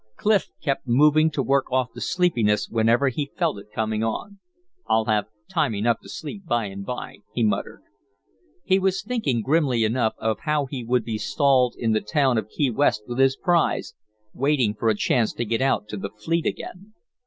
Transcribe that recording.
Clif kept moving to work off the sleepiness whenever he felt it coming on. "I'll have time enough to sleep by and by," he muttered. He was thinking, grimly enough, of how he would be stalled in the town of Key West with his prize, waiting for a chance to get out to the fleet again.